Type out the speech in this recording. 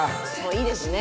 いいですね。